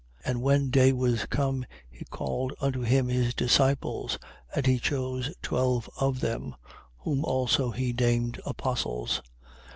6:13. And when day was come, he called unto him his disciples: and he chose twelve of them (whom also he named apostles): 6:14.